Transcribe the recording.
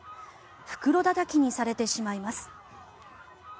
袋だたきにされてしまいます。